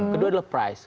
kedua adalah price